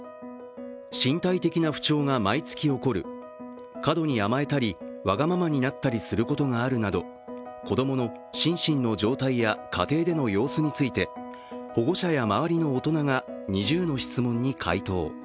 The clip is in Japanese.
身体的な不調が毎月起こる、過度に甘えたりわがままになったりすることがあるなど、子供の心身の状態や家庭のでの様子について、保護者や周りの大人が２０の質問に回答。